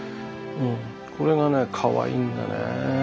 これがねかわいいんだよね。